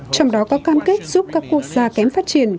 trong đó có cam kết giúp các quốc gia kém phát triển